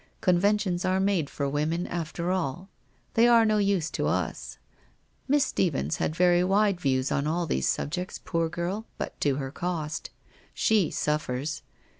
Conventions are made for women, after all. They are no use to us. Miss Stephens had very wide views on all these subjects, poor girl, but to her cost. She suffers.